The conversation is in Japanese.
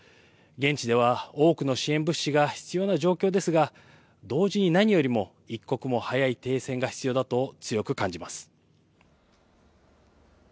現地では多くの支援物資が必要な状況ですが、同時に何よりも、一刻も早い停戦が必要だと強く感じます。